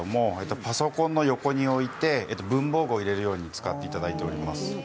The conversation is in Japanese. パソコンの横に置いて文房具を入れる用に使っていただいています。